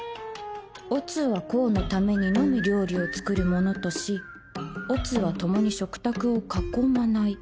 「乙は甲のためにのみ料理を作るものとし乙は共に食卓を囲まない」